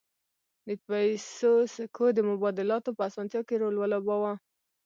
د پیسو سکو د مبادلاتو په اسانتیا کې رول ولوباوه